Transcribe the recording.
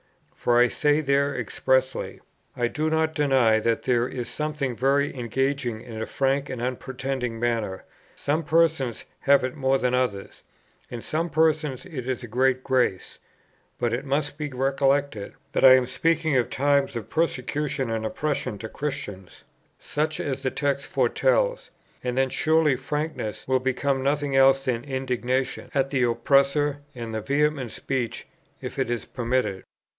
For I say there expressly: "I do not deny that there is something very engaging in a frank and unpretending manner; some persons have it more than others; in some persons it is a great grace. But it must be recollected that I am speaking of times of persecution and oppression to Christians, such as the text foretells; and then surely frankness will become nothing else than indignation at the oppressor, and vehement speech, if it is permitted.